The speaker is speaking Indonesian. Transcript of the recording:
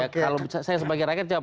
kalau saya sebagai rakyat jawab